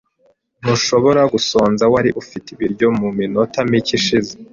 Ntushobora gusonza .Wari ufite ibiryo mu minota mike ishize .